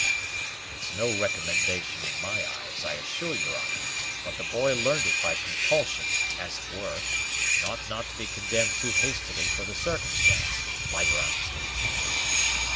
"It's no recommendation in my eyes, I assure your honor; but the boy learned it by compulsion, as it were, and ought not to be condemned too hastily for the circumstance, by your honor's leave."